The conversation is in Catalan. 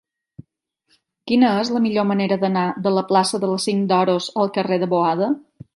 Quina és la millor manera d'anar de la plaça del Cinc d'Oros al carrer de Boada?